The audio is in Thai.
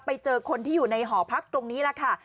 ไปเจอคนที่อยู่ในหอพักตรงนี้แหละค่ะ